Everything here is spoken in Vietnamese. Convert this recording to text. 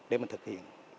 để mình thực hiện